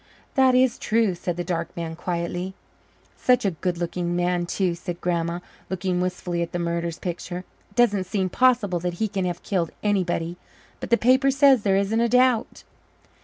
"That is true," said the dark man quietly. "Such a good looking man too," said Grandma, looking wistfully at the murderer's picture. "It doesn't seem possible that he can have killed anybody. But the paper says there isn't a doubt."